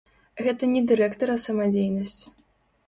Гэта не дырэктара самадзейнасць.